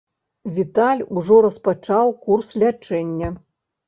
Віталь ужо распачаў курс лячэння.